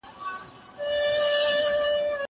زه له سهاره ليکلي پاڼي ترتيب کوم.